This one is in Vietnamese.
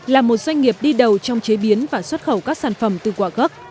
là một doanh nghiệp đi đầu trong chế biến và xuất khẩu các sản phẩm từ quả gốc